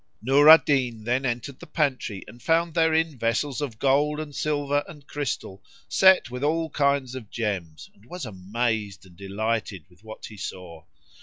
Nur al Din then entered the pantry and found therein vessels of gold and silver and crystal set with all kinds of gems, and was amazed and delighted with what he saw.